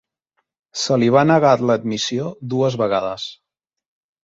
Se li va negar l'admissió dues vegades.